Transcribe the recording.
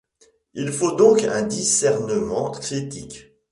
Il faut donc un discernement critique.